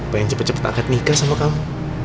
pengen cepet cepet akad nikah sama kamu